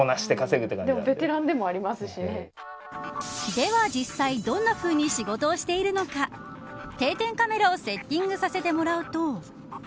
では実際、どんなふうに仕事をしているのか定点カメラをセッティングさせてもらうと。